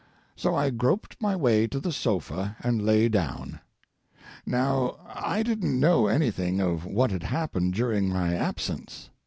So I groped my way to the sofa and lay down. Now, I didn't know anything of what had happened during my absence.